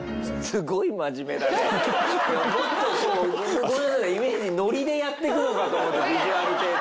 もっとこう僕の中のイメージノリでやっていくのかと思ってヴィジュアル系って。